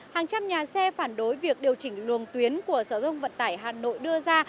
hàng trăm nhà xe phản đối việc điều chỉnh luồng tuyến của sở thông vận tải hà nội đưa ra